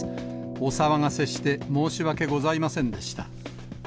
お騒がせして申し訳ございませんでした。